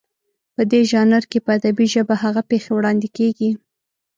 په دې ژانر کې په ادبي ژبه هغه پېښې وړاندې کېږي